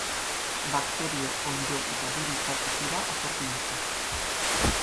Bakterio, onddo eta birus batzuk dira oportunistak.